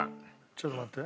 ちょっと待って。